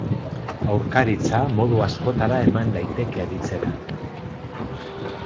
Aurkaritza modu askotara eman daiteke aditzera.